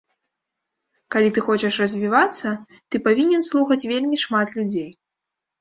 Калі ты хочаш развівацца, ты павінен слухаць вельмі шмат людзей.